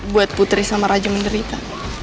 buat putri sama raja menderita